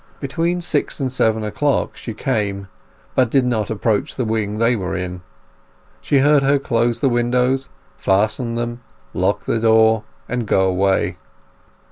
Between six and seven o'clock she came, but did not approach the wing they were in. They heard her close the windows, fasten them, lock the door, and go away.